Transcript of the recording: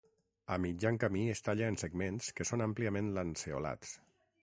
A mitjan camí es talla en segments que són àmpliament lanceolats.